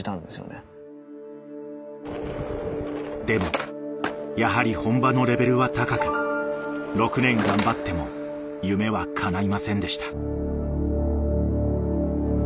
でもやはり本場のレベルは高く６年頑張っても夢はかないませんでした。